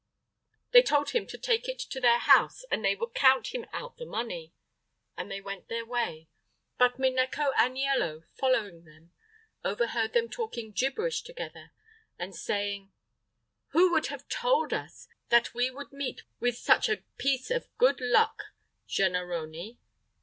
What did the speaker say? They told him to take it to their house and they would count him out the money, and they went their way, but Minecco Aniello, following them, overheard them talking gibberish together and saying, "Who would have told us that we would meet with such a piece of good luck, Jennarone?